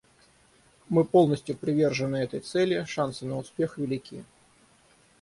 Мы полностью привержены этой цели, шансы на успех велики.